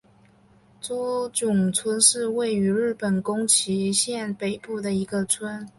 诸冢村是位于日本宫崎县北部的一个村。